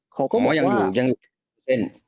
เขาก็บอกว่ายังอยู่ยังเซ็น